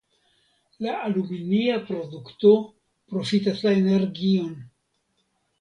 La aluminia produkto profitas la energion.